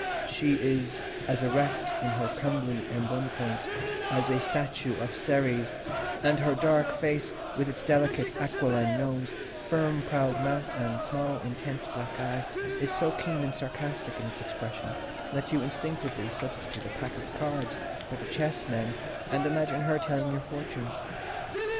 She is as erect in her comely embonpoint as a statue of Ceres; and her dark face, with its delicate aquiline nose, firm proud mouth, and small, intense, black eye, is so keen and sarcastic in its expression that you instinctively substitute a pack of cards for the chess men and imagine her telling your fortune.